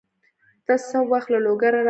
ته څه وخت له لوګره راغلې؟